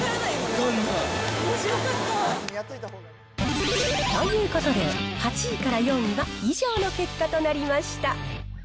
めっちゃよかった。ということで、８位から４位は以上の結果となりました。